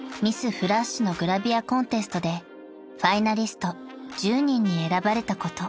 ＦＬＡＳＨのグラビアコンテストでファイナリスト１０人に選ばれたこと］